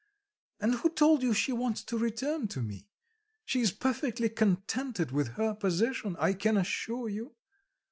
And who told you she wants to return to me? She is perfectly contented with her position, I can assure you...